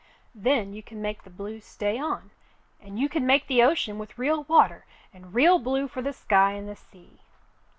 "Then you can make the blue stay on, and you can make the ocean with real water, and real blue for the sky and the sea."